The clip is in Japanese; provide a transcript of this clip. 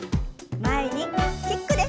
前にキックです。